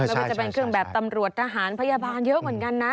ไม่ว่าจะเป็นเครื่องแบบตำรวจทหารพยาบาลเยอะเหมือนกันนะ